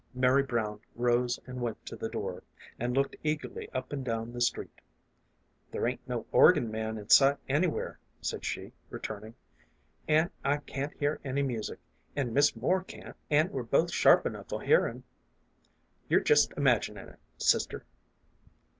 Mary Brown rose and went to the door, and looked eagerly up and down the street. " There ain't no organ man in sight anywhere," said she, returning, "an' I can't hear any music, an' Miss Moore can't, an" we're both sharp enough o' hearing'. You're jest imaginin' it, sister."